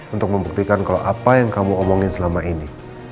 untuk membuktikan kalau apa yang kamu omongin selama ini